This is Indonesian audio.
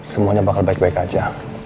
semuanya bakal baik baik aja